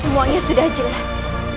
semuanya sudah jelas